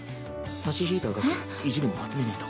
差し引いた額意地でも集めねぇと。